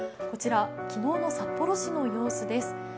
こちら、昨日の札幌市の様子です。